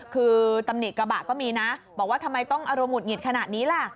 คือตำหนิกระบะก็มีนะบอกว่าทำไมต้องอารมณ์หุดหงิดขนาดนี้ล่ะ